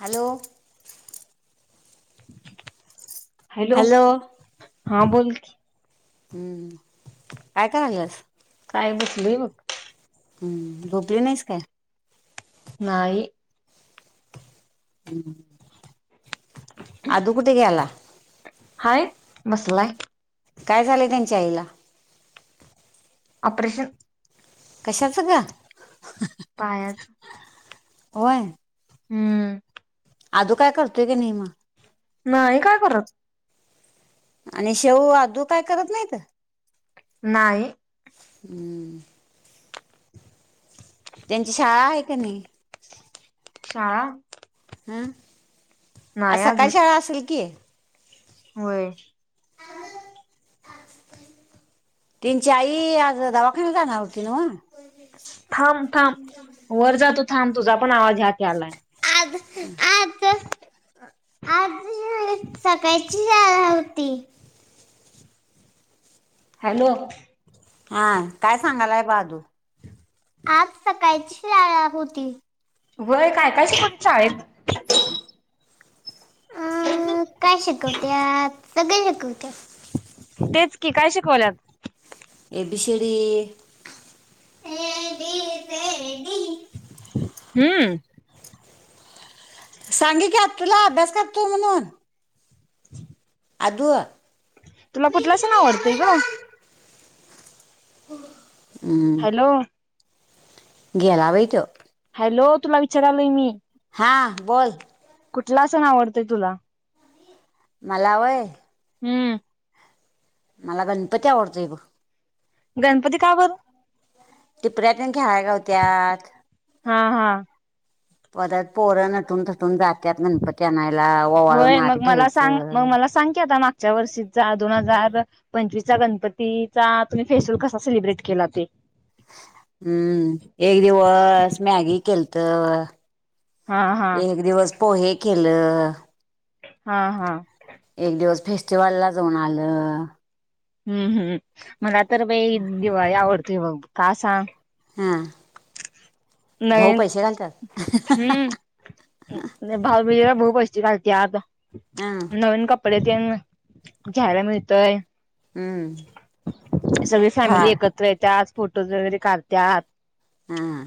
Hello. Hello. हा बोल की हम्म काय कराल्यास? काय बसलोय बघ हम्म झोपली नईस काय? नाही. हम् आधु कुठ गेला? हाय बसलाय काय झालंय त्यांच्या आईला? ऑपरेशन कशाच ग? पायाच वय? हम्म. आदु काय करतोय काय नई मग? नाही काय करत आणि शेऊ, आदू काय करत नईत? नाही. हम्म. त्यांची शाळा हाय काय नई? शाळा हम् आज नाही अजून सकाळची शाळा असेल की. होय तीनची आई आज दवा ती जाना हूती नव्ह थांब थांब वर जातो थांब तुझा पण आवाज ह्यात यालाय [inaudible] आज सकाळची शाळा होती. हॅलो हा काय सांगालाय बग आदू आज सकाळची शाळा होती. होय काय काय शिकवत्यात शाळेत अं काय शिकवत्यात सगळं शिकवत्यात तेच की काय शिकवाल्यात A B C D A B C D हम्म सांग इकी आत्तूला अभ्यास करतूय म्हणून [unintelligible] आदू तुला मी कुठला सण तिकडे आवडतंय आलोय ग ना. हॅलो [inaudible] गेला बई त्यो हॅलो तुला विचारालय मी हां बोल कुठला सण आवडतय तुला मलावय हम्म. मला गणपती आवडतोय बग गणपती का बर. टिपऱ्यातेन खेळाय गावत्यात. हां हां. परत पोरं नटून-थटून जात्यात गणपत आणाय. होय मग मला सांग. म मला सांग की आता माकच्या वर्षी च दोन हाजार पंचवीसचा गणपतीचा तुम्ही फेस्टिवल कसा सेलिब्रेट केला ते. हम्म एक दिवस मॅगी केलतं. हा हा एक दिवस पोहे केलं. हा हा एक दिवस फेस्टिवल ला जाऊन आलं. हम्म हम्म. मला तर बाई दिवाळी आवडते. बघ का सांग? हां भाऊ नवीन पैसे घालत्यात. नाई भाऊ बिजला भाऊ. पैसे घालत्यात. हा नवीन कपडे तेन घ्यायला मिळतंय. हम्म सगळी फॅमिली फराळ एकत्र येत्यातत. फोटोज वगैरे काढत्यात. हां हा.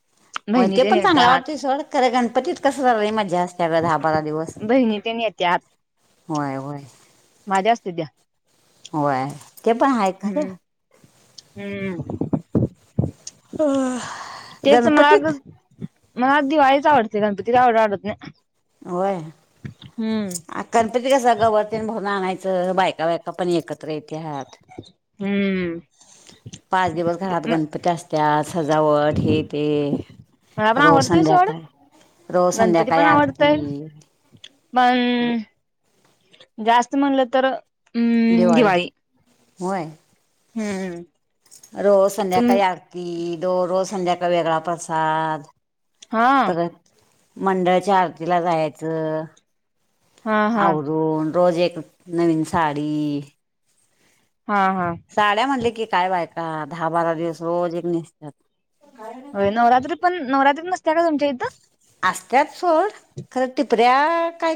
[unintelligible] व्हय ते पण चांगला येत्यात वाटतय सोड. खरं गणपतीत कसं लई मज्या असते दहा-बारा दिवस. न्हेत्यात. होय व्हय. हा जास्त असतात त्या. होय, ते पण हाय खरं. हम्म हम्म. [unintelligible] तेच मला गणपतीत अगं मला दिवाळीच आवडते गणपती काय येवडा आवडत नाई. होय, आ गणपती कसं गवत तेन भरून आणाय चं बायका बायका पण एकत्र येत्यात. हम्म पाच दिवस घरात गणपती असत्यात सजावट हे ते. मला पण रोज आवडतोय सोड संध्याकाळी रोज गणपती संध्याकाळी पण आरती. आवडतय पण जास्त म्हणलं तर हम्म दिवाळीत दिवाळी होय. हम्म रोज तुम संध्याकाळी आरती. दो रोज संध्याकाळी वेगळा प्रसाद. हा. मंडळच्या आरतीला जायाचं. हा हा आवरून रोज एक नवीन साडी. हा हा साड्या म्हनलं की काय बायका दहा बारा दिवस रोज एक नेसत्यात. व्हय नवरात्री पण नवरात्री नसत्या का तुमच्या इथं? असत्यात सोड, खरं टिपऱ्या काय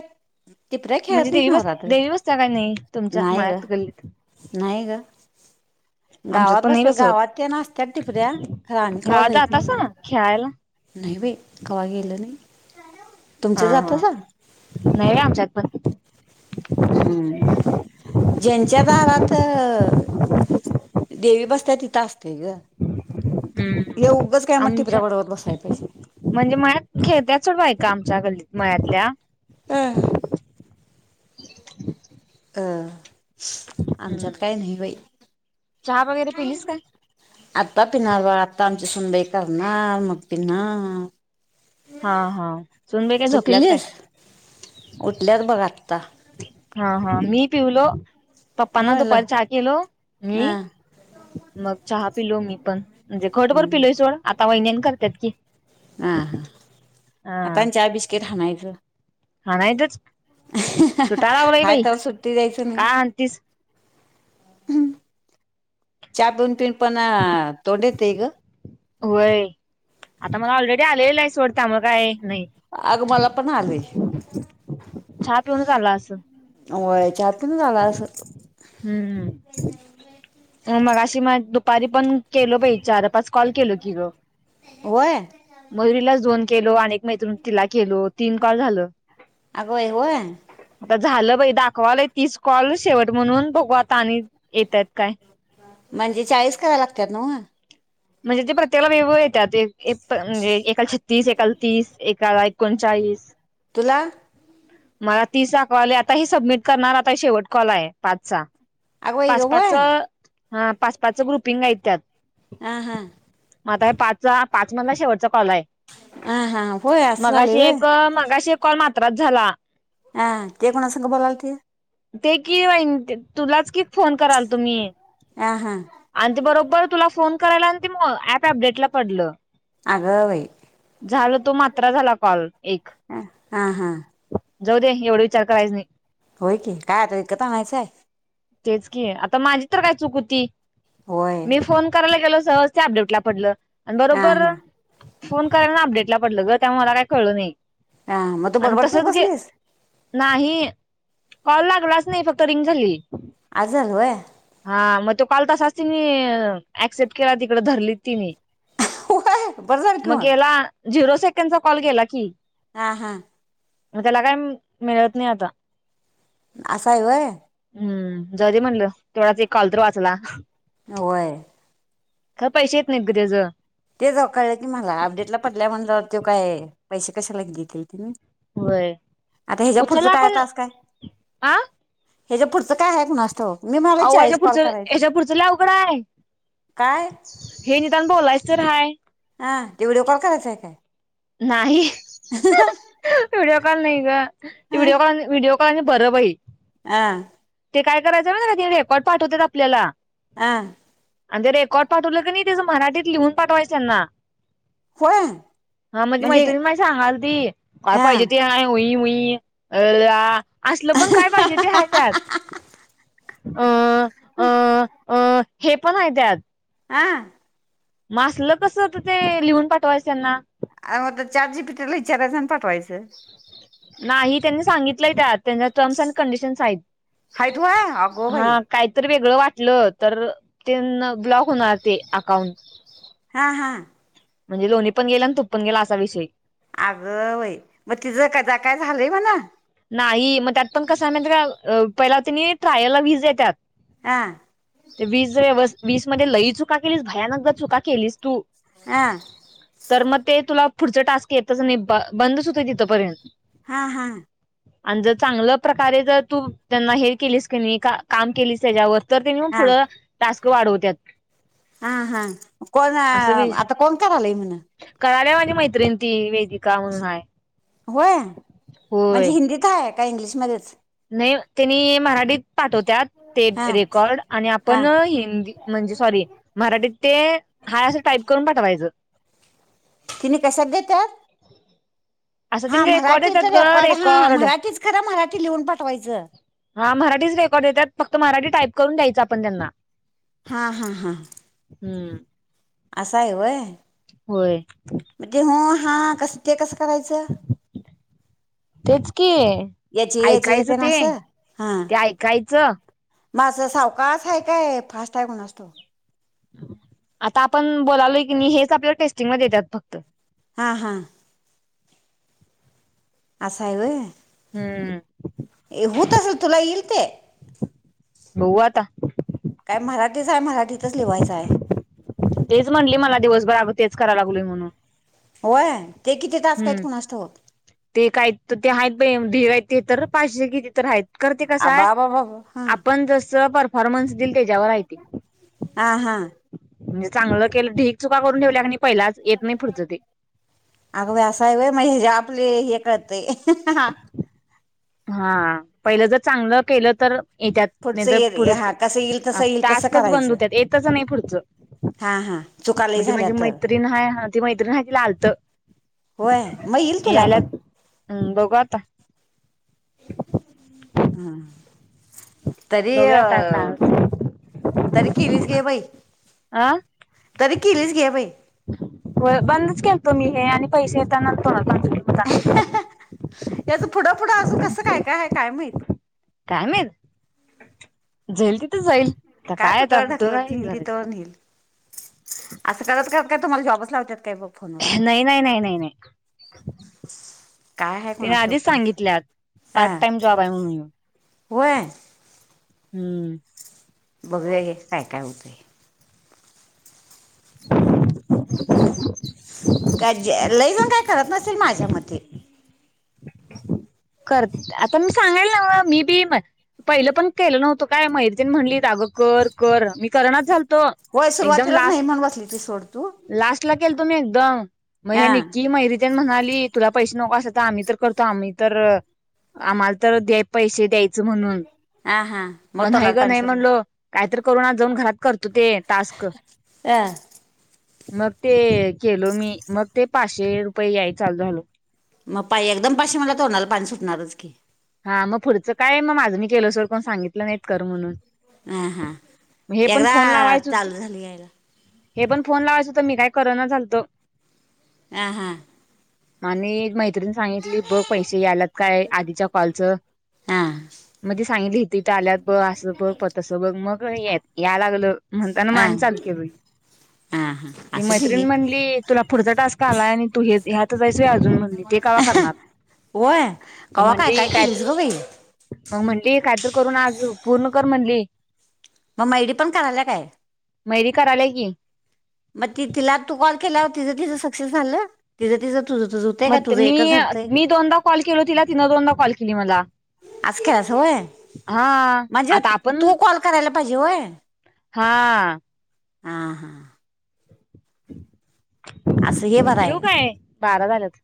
टिपऱ्या खेळत म्हणजे नाहीत देवी बस नवरात्रीत देवी बसत्या का नाई, तुमच्या नाही ग मळ्यात गल्लीत? नाही ग. आमच्यात गावात पण नाही बसत्यात बसवत गावात तेन आसत्यात टिपऱ्या, खरं आम्ही कवा गावात जाईत नाई. जातासा खेळायला नाही बाई, कवा गेलं नाई. हा हा, नाई बाई आमच्यात पण हम्म ज्यांच्या दारात अ, देवी बसत्यात तिथं असतंय गं. ए हम्म ऊगच काय म आमच्या टिपऱ्या बडवत बसाय पायजे. म्हणजे मळ्यात खेळत्यात सोडं बायका आमच्या गल्लीत. मळ्यातल्या. अ अ हम्म. आमच्यात काय नाही बाई. चहा वगैरे पिलीस काय? आता पिणार बाळा, आता आमची सूनबाई करणार मग पिणार. हा हा, सूनबाई काय तू झोपल्यात काय? पिलीस उठल्यात बघ आत्ता. हा हा, मी पिवलो पप्पांना झालं दुपारी चा केलो मी. हा मग चहा पिलो मी पण, म्हणजे घोटभर हम्म. पिलोय सोड आता वहिनी अन करत्यात की. हा हा, आता आणि चहा बिस्किट हानायचं. हा नाहीतच तुटा लागलोय हाय बाई, का हाणतीस. चा पिऊन पिऊन पण अ तोंड येतंय गं. होय, आता मला ऑलरेडी आलेलं आहे सोड त्यामुळं काय नाही अगं मला पण आलंय. चहा पिऊनच आलं असल. व्हय चहा पिऊनच आलं असल. हम्म हम्म मगाशी मग दुपारी पण केलो बाय चार पाच कॉल केलो की गं, होय मयुरीलाच दोन केलो आणि एक मैत्रिण होती तिला केलो, तीन कॉल झालं. अगं बाई गं. आता झालं बाई दाखवालय तीस कॉल शेवट म्हणून, बघू आता आणि येतात काय. म्हणजे चाळीस कराय लागत्यात नव्हं. म्हणजे ते प्रत्येकाला वेगवेगळ येतात. म्हणजे एका छत्तीस एकाला तीस. एका एकोणचाळीस. चाळीस. तुला. मला तिस दाखवाले आता हे सबमिट करणार. आता शेवट कॉल आहे पाचचा अगं बाई जी पाच बाग पाच होय. हा पाच-पाच च ग्रुपिंग आहेत त्यात. आ हा. म आता हे पाच पाच मणला शेवटचा. कॉल आहे हां हां होय असं झालंय मगाशी होय एक मगाशी कॉल मात्रच झाला. हां ते कोणासंग बोलाल ते ते कि [unintelligible] तुलाच कि फोन कराल तुम्ही हां हां आणि ते बरोबर तुला फोन करायला ते मग ऍप अपडेटला पडलं. अग बई. झाल तो मात्र झाला कॉल एक. हां हां जाऊ दे एवढा विचार करायच नाही. होय की काय आता इकंत आणयचा हे. तेच की आता माझी तर काय चुक होती. होय फोन करायला गेलो सहज त्या अपडेट ला पडलं आणि हां बरोबर हां फोन कराय ना, अपडेटला पडलं ग त्यामुळे मला काय कळू नई हा मग तू बडबडतच बसलीस? नाही कॉल लागलाच नाही. फक्त रिंग झाली. आज वय ह मग तो काल तासच तिने ऍक्सेप्ट केला तिकडे धरली तिनी व्हय बरं झारखिव झिरो सेकंडचा कॉल केला की हा हा. मग त्याला काय मिळत नाही आता. आशा आहे वय. हम्म जाऊ देे म्हणलं तेथवढाच, एक कॉल तर वाचला. होय. का पैसे येत नाही त्याज. ते जाऊ कळलं की मला अपडेटला पडल्या म्हणल्यावर तो काय पैसे कशाला [unintelligible] ग घतील तिम्ही. होय आता हिच्या पुढचं उचलला काय पण तास काय? आ ह्याच्या पुढचं काय आहे नास्त अहो याच्या पुढचे याच्या पुढ्च लय अवघड आहे काय हे निदान बोलायचं. जर आहे. हा व्हि [unintelligible] डिओ कॉल करायचा आहे काय? नाही, व्हिडिओ कॉल नाही ग हा व्हिडओ कॉल, व्हिडिओ कॉल, आणि बर बाई, हा ते काय? करायचं ह रेकॉर्ड पाठवतात आपल्याला. हा. आणि ते रेकॉर्ड पाठवलं कि, नाही त्याचं मराठीत लिहून पाठवायचं त्यांना होय. हा म्हणजे मैत्रिण मला सांगत होती त्यात काय हा पाहिजे [unintelligible] ते आहे असलं पण काय पाहिजे ते आहे त्यात अ अ अ हे पण आहे त्यात. आह. म असलं कसल त ते लिहून पाठवायचं त्यांना. अगं मग ते चार्ट जीपी टी ला विचारायचं, आणि पाठवायचं. नाही त्यांनी सांगितलंय, त्यात त्यांच्या टर्म्स आणि कंडिशन्स आहेत. आहेत व्हअगं बाई ज वाटलं तर ते न ब्लॉक होणार ते अकाउंट. हा हा म्हणजे लोणी पण गेले आणि तूप पण गेले असा विषय हे. आगं बई म तिज काय जाकाय झालंय मला नाही, मग त्यात पण त्यांनी कस [unintelligible] आहे. माहित आहे का? का पहिला त्यांनी ट्रायलला वीस देतात हा. ते वीस जर वीस मध्ये खूप चुका केलीस, भयानक जर चुका केलीस तू हा तर मग ते तुला पुढच टास्क येतच नाही. बंदच होतोय तिथंपर्यंत हा. हा आणि जर चांगलं प्रकारे जर तू त्यांना हे केलीस. काम केले त्याच्यावर तर तेनी पण मग पुढे टास्क वाढवत्यात. हा-हा कोण असं बी आता कोण करालय म्हण? ती मैत्रिण ती वेदिका म्हणून आहे. होय. म्हणजे हिंदीत आहे? काय इंग्लिशमध्ये च नाही त्यांनी मराठीत पाठवत्यात ते हां रेकॉर्ड. आणि हां आपण हिंदी म्हणजे सॉरी मराठीत ते हाय असं टाईप करून पाठवायचं तिन्ही कशात देतात. असं हा त्यांनी रेकॉर्ड मराठी येतात त ग रेकॉर्ड. हा मराठीच खर मराठी लिहून पाठवायचं हा मराठीच रेकॉर्ड देतात. फक्त मराठी टाईप करून द्यायचं आपण त्यांना हा. हा. हा हम्म असा आहे होय. होय म्हणजे हो हा कसं ते कसं करायचं? [unintelligible] तेच कि याचे याचे ऐकायचं येते ना ते असं ते ऐकायचं म असं सावकास हाय काय, फास्ट हाय कुणास ठाऊ? आता आपण बोलालोय की नाही हेच आपल्याला टेस्टिंगला देत्यात फक्त. हा हा असा आहे होय हम्म असेल तुला येईल ते बघू आता. तेच हाय मराठीतच लिव्हाचाय. तेच म्हणली मला दिवसभर अगं तेच करा लागलोय म्हणून. होय? ते किती तास काय कुणास ठाऊक. तर ते आहेत बाय ढीग हायत, ते तर पाचशे किती तर आहेत. खरं ते कसाय, आबा बाबा हां आपण जसं पर फॉर्मन्स दिल त्याच्यावर हाय ते, हां हां जे चांगलं केलं ठिक अगं बाय असं हाय व्हय? म हे जे आपले हे राहतंय [unintelligible] हा, पहिलं जर चांगलं केलं तर येत्यात, नाही पुढचं तर येईल पुढचं हा कसं येईल आ तसं येईल तसं टास्कच बंद करायचं होत्यात येतंच नाही पुढचं. हा हा चुका म लई ती झाल्या माझी तर मैत्रीण हाय हा ती मैत्रीण हाय तीला आलतं. होय? म येईल तुला पण. हम्म बघु आता. हम्म, तरी अ बघूया आता काय होतंय तरी किलीच घे बाई, अ तरी किलीच घे बाई. होय, बंदच केलतो मी हे आणि पैसे येताना तोंडाला पाणी सुटलं याचं पुढं पुुढं अजून कसं काय काय आहे काय माहित? काय माहित? जाईल तीत काय कुठवर ढकलत नेईल तिथवर नेईल. असं करत करत काय तुम्हाला जॉबच लावत्यात नाही नाही नाही नाही नाही. काय आहे तिने कोणास ठाऊक आधीच पुढचं सांगितल्यात पार्ट टाइम जॉब आहे म्हणून यो. व्हय? हम्म बघुया हे काय काय होतंय. का ज लय जन काय करत नसतील माझ्या मते. करत आता मी सांगायले नव्ह म मी बी म पहिलं पण केलं नव्हतं काय मैत्रीण म्हणली आगं कर कर, मी करनाच झाल त होय एकदम सुरुवातीलाच नाही लास्ट म्हणून बसली ती सोड तू लास्ट ला केलतो मी एकदम, मग हे हा निक्की, मयरी तेन म्हणाली तुला पैसे नको असले तर आम्ही तर करतो आम्ही तर आम्हाला तर दे पैसे द्याय च म्हणून, हा हा म मग नाही तोंडाला ग पाणी नाही म्हणलो सुटलं कायतर करुन आज जाऊन घरात करतो ते टास्क. अ मग ते केलो मी, मग ते पाचशे रुपये याय चालू झालो. मग पाय एकदम पाचशे म्हणल्यावर तोंडाला पाणी सुटणारच की. हा म, पुढचं काय म माझं मी केलं सोड, कोण सांगितलं नाहीत कर म्हणून हा हा. हे पण एकदा फोन लावायचं होत चालु झाली यायला हे पण फोन लावायचं तर, मी काय करना झालतो आ हा. आणि एक मैत्रिण सांगितली, बघ पैसे याल्यात काय आधीच्या कॉलचं? हा म ती सांगितली इथ इथ आल्यात बघ, आसं बघ, प तसं बघ मग ये या लागलं. म्हणताना म हा आणि चालू केलोय. हा हा ती असू दे घे मैत्रीण म्हणली, तुला पुढचा टास्क आलाय, नी तू हे ह्यातच आहेस व्हय अजून म्हणली ते कवा करणार [inaudible] व्हय, कवा काय काय केलीस गं बाई? मग म्हणली, काय तर करून आज पूर्ण कर म्हणली. म मैडी पण करायल्या काय? मैरी कराल्या की म ती तिला तु कॉल केला, तिचं तिचं सक्सेस झालं तिज तिज मग ते मी मी दोनदा कॉल केलो तिला, तिनं दोनदा कॉल केली मला. अस केल्यासा व्हय, हा म्हणजे आता आपण तू कॉल करायला पाहिजे होय. हा. हा हा. आसं हे बर ठेवू हाय. काय बारा झाल्यात